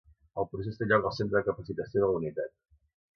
El procés té lloc al centre de capacitació de la unitat.